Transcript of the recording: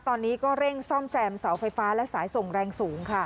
ตอนนี้ก็เร่งซ่อมแซมเสาไฟฟ้าและสายส่งแรงสูงค่ะ